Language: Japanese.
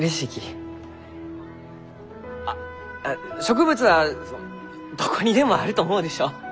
あ植物はどこにでもあると思うでしょ？